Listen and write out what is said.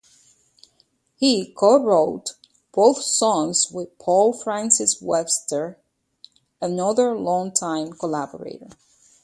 He co-wrote both songs with Paul Francis Webster, another long-time collaborator.